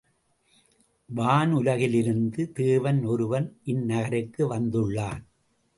வானுலகிலிருந்து தேவன் ஒருவன் இந் நகருக்கு வந்துள்ளான்.